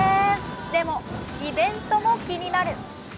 でもイベントも気になる！